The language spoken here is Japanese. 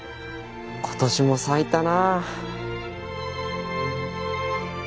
今年も咲いたな。